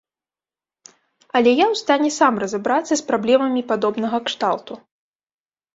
Але я ў стане сам разабрацца з праблемамі падобнага кшталту.